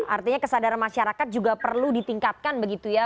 artinya kesadaran masyarakat juga perlu ditingkatkan begitu ya